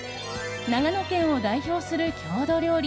長野県を代表する郷土料理